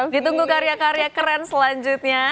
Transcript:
ditunggu karya karya keren selanjutnya